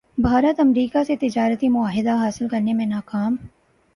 بھارت امریکا سے تجارتی معاہدہ حاصل کرنے میں ناکام